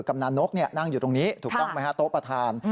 กำลังนกนั่งอยู่ตรงนี้ถูกต้องไหมฮะโต๊ะประธาน